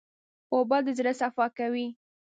اوبه د زړه صفا کوي.